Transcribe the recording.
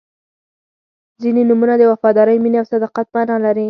• ځینې نومونه د وفادارۍ، مینې او صداقت معنا لري.